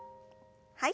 はい。